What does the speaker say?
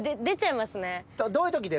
出ちゃいますね。